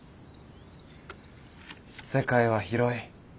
世界は広い。